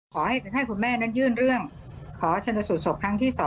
ขอให้คุณแม่นั้นยื่นเรื่องขอชนสูตศพครั้งที่๒